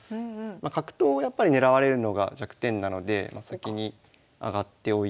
まあ角頭をやっぱり狙われるのが弱点なので先に上がっておいて。